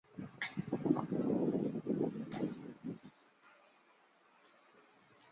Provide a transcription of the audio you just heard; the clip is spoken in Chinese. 乾隆十三年戊辰科一甲第三名进士。